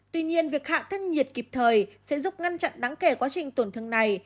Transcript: tuy nhiên việc hạ thân nhiệt kịp thời sẽ giúp ngăn chặn đáng kể quá trình tổn thương này